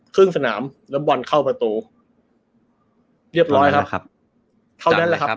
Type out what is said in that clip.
ครึ่งสนามแล้วบอลเข้าประตูเรียบร้อยครับครับเท่านั้นแหละครับ